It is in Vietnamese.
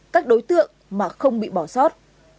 các đối tượng mà không bị bỏ sót